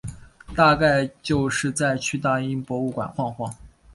大概就是再去大英博物馆晃晃